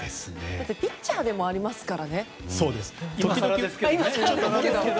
ピッチャーでもありますからね。